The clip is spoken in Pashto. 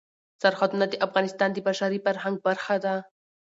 سرحدونه د افغانستان د بشري فرهنګ برخه ده.